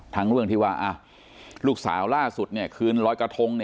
เรื่องที่ว่าลูกสาวล่าสุดคืนลอยกระทง